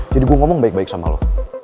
jadi gue ngomong baik baik sama lu